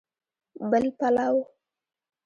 بل پلو